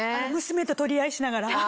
娘と取り合いしながら。